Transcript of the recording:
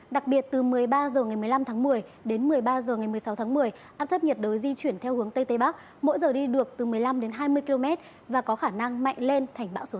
đặc biệt từ một mươi ba h ngày một mươi năm tháng một mươi đến một mươi ba h ngày một mươi sáu tháng một mươi áp thấp nhiệt đới di chuyển theo hướng tây tây bắc mỗi giờ đi được từ một mươi năm đến hai mươi km và có khả năng mạnh lên thành bão số sáu